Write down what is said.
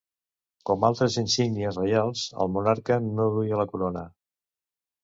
Com altres insígnies reials, el monarca no duia la corona.